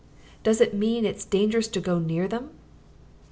Does it mean that it's dangerous to go near them?"